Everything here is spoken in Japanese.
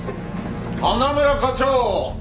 花村課長！